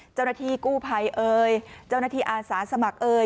เจ้าหน้าที่กู้ภัยเอ่ยเจ้าหน้าที่อาสาสมัครเอ่ย